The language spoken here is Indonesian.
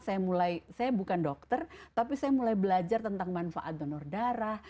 saya mulai saya bukan dokter tapi saya mulai belajar tentang manfaat donor darah